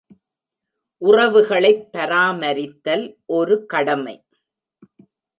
உறவுகளைப் பராமரித்தல் ஒரு கடமை.